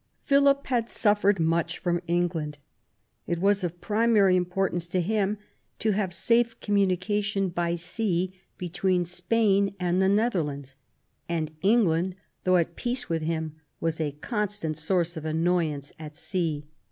Philip had suffered much from England. It was of primary importance to him to have safe communication by sea between Spain and the Nether lands ; and England, though at peace with him, was a constant source of annoyance at sea.